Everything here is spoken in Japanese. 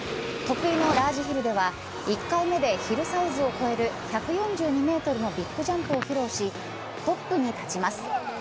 得意のラージヒルでは１回目でヒルサイズを越える１４２メートルのビッグジャンプを披露しトップに立ちます。